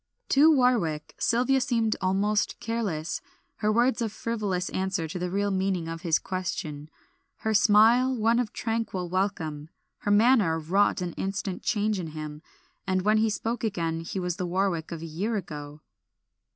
To Warwick, Sylvia seemed almost careless, her words a frivolous answer to the real meaning of his question, her smile one of tranquil welcome. Her manner wrought an instant change in him, and when he spoke again he was the Warwick of a year ago.